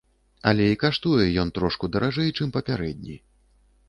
Але і каштуе ён трошку даражэй, чым папярэдні.